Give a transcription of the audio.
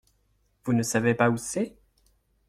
Vous ne savez pas où c’est ?